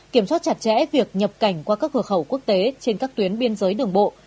kiểm soát chặt chẽ việc nhập cảnh qua các cửa khẩu quốc tế trên các tuyến biên giới đường bộ